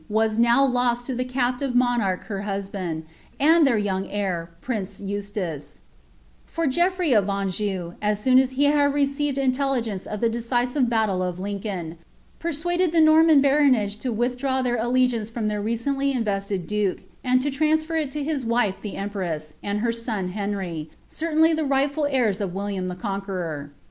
tvas now loit to the captive luuiiartll bar huaband, and ^ir young heir, prince Eustace ; for GeotTrey of Aajod, aa aoon ae he received inielligence of the decisive b&tlle of Lln f«la, pamiaded the Norman baronage to withdraw their allegianre front ihnr reototly invested duke, and to transfer it to his wife the cmpreaan »ihI her son Henry, certainly die rightful heirs of William the C ~~ r,ucTor.